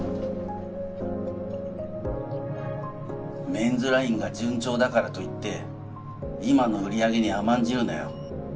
メンズラインが順調だからといって今の売り上げに甘んじるなよ。